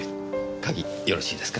鍵よろしいですか？